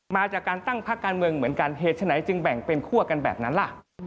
มาจากการตั้งพักการเมืองเหมือนกันเหตุฉะไหนจึงแบ่งเป็นคั่วกันแบบนั้นล่ะ